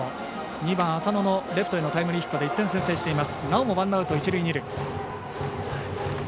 ２番、浅野のレフトへのタイムリーヒットで１点先制しています。